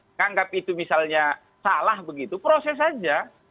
menganggap itu misalnya salah begitu proses saja